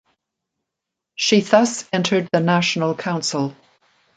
She thus entered the National Council.